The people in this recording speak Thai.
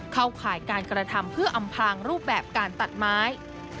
ข่ายการกระทำเพื่ออำพางรูปแบบการตัดไม้